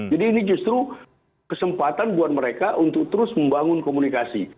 jadi ini justru kesempatan buat mereka untuk terus membangun komunikasi